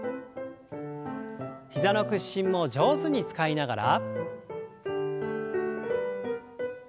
膝の屈伸も上手に使いながら。